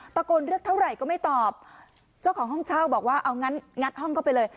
ตะโกนเรียกเท่าไหร่ก็ไม่ตอบเจ้าของห้องเช่าบอกว่าเอางั้นงัดห้องเข้าไปเลย